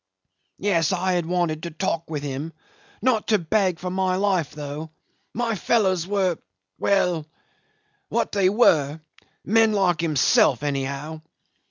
Yes, I had wanted to talk with him. Not to beg for my life, though. My fellows were well what they were men like himself, anyhow.